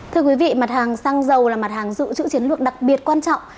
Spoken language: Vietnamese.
thưa quý vị mặt hàng xăng dầu là mặt hàng dự trữ chiến lược đặc biệt quan trọng